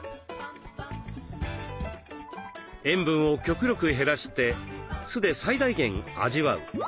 塩分を極力減らして酢で最大限味わう。